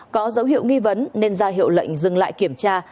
có dấu hiệu nghi vấn nên ra hiệu lệnh dừng lại kiểm tra